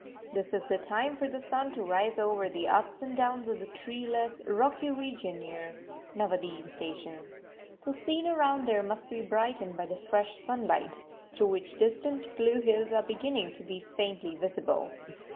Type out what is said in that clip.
This is the time for the sun to rise over the ups and downs of the treeless, rocky region near Nawadih station. The scene around there must be brightened by the fresh sunlight, through which distant, blue hills are beginning to be faintly visible.